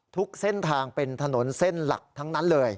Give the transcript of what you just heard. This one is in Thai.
ทุกเส้นทางเป็นถนนเส้นหลักทั้งนั้นเลย